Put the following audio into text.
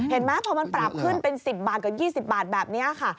เห็นไหมพอมันปรับขึ้นเป็น๑๐บาทกับ๒๐บาทแบบนี้ค่ะ